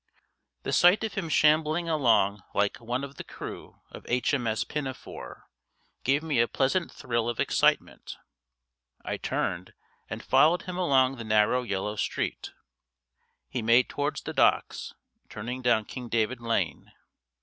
The sight of him shambling along like one of the crew of H. M. S. Pinafore gave me a pleasant thrill of excitement. I turned, and followed him along the narrow yellow street. He made towards the Docks, turning down King David Lane.